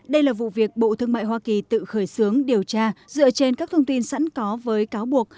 đây là vụ việc bộ thương mại hoa kỳ tự khởi xướng điều tra dựa trên các thông tin sẵn có với cáo buộc